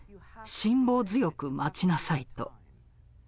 「辛抱強く待ちなさい」と。